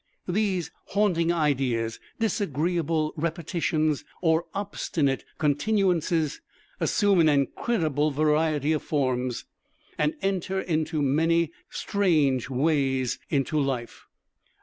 These haunting ideas, disagreeable repetitions or obstinate continuances, assume an incredible variety of forms, and enter in many strange ways into life.